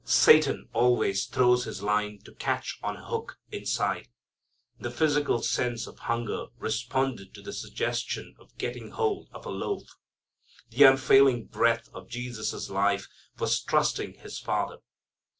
Satan always throws his line to catch on a hook inside. The physical sense of hunger responded to the suggestion of getting hold of a loaf. The unfailing breath of Jesus' life was trusting His Father.